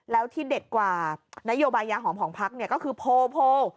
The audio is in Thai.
แล้วที่เด็ดกว่านโยบายยาหอมของพักเนี่ยก็คือโพล